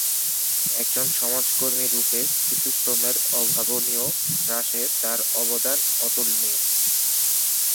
একজন সমাজকর্মী রূপে শিশুশ্রমের অভাবনীয় হ্রাসে তাঁর অবদান অতুলনীয়।